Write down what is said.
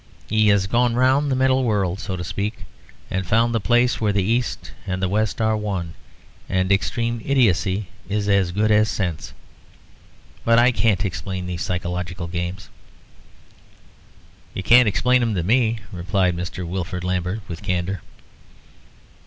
He has gone round the mental world, so to speak, and found the place where the East and the West are one, and extreme idiocy is as good as sense. But I can't explain these psychological games." "You can't explain them to me," replied Mr. Wilfrid Lambert, with candour.